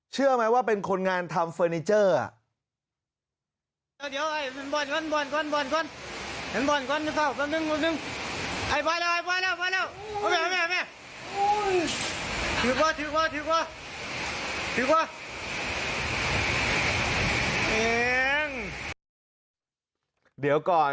เชื่อไหมว่าเป็นคนงานทำเฟอร์นิเจอร์